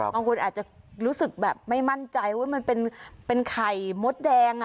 บางคนอาจจะรู้สึกแบบไม่มั่นใจว่ามันเป็นไข่มดแดง